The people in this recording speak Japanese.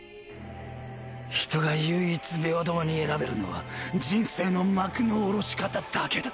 人が唯一平等に選べるのは人生の幕の下ろし方だけだ。